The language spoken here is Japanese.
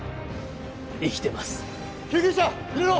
生きてます救急車入れろ！